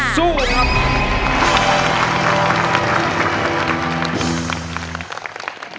สู้นะครับ